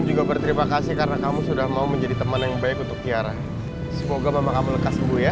juga berterima kasih karena kamu sudah mau menjadi teman yang baik untuk kiara semoga bapak kamu lekas ibu ya